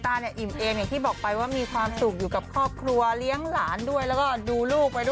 อย่างที่บอกไปว่ามีความสุขอยู่กับครอบครัว